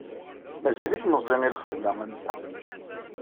Mazal-t meẓẓi i lxedma am ta.